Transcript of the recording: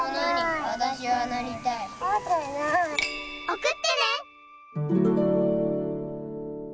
おくってね！